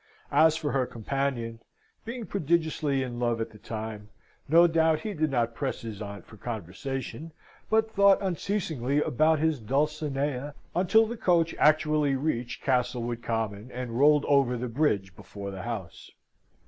As for her companion; being prodigiously in love at the time, no doubt he did not press his aunt for conversation, but thought unceasingly about his Dulcinea, until the coach actually reached Castlewood Common, and rolled over the bridge before the house.